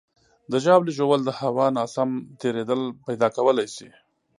د ژاولې ژوول د هوا ناسم تېرېدل پیدا کولی شي.